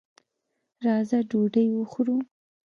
راځه ډوډۍ وخورو.